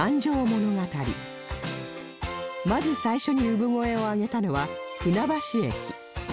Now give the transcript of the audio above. まず最初に産声を上げたのは船橋駅